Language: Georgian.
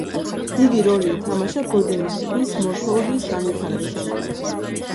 დიდი როლი ითამაშა ბოდენის ტბის მორფოლოგიის განვითარებაში.